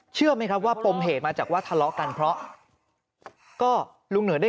เชื่อไหมครับว่าปมเหตุมาจากว่าทะเลาะกันเพราะก็ลุงเหนือได้